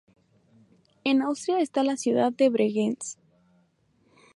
En Austria está la ciudad de Bregenz.